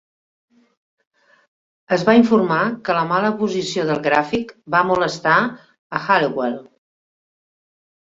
Es va informar que la mala posició del gràfic va molestar a Halliwell.